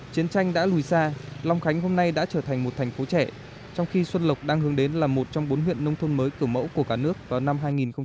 chiến tranh đã lùi xa long khánh hôm nay đã trở thành một thành phố trẻ trong khi xuân lộc đang hướng đến là một trong bốn huyện nông thôn mới kiểu mẫu của cả nước vào năm hai nghìn hai mươi